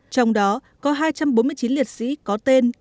trong đó có hai trăm bốn mươi chín liệt sĩ có tên